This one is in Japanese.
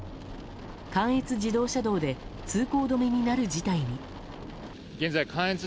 関越自動車道で通行止めになる事態に。